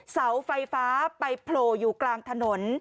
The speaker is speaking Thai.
เสาไฟฟ้าไปโผล่อยู่กลางถนน